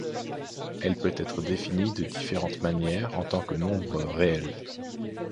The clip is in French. Elle peut être définie de différentes manières en tant que nombre réel.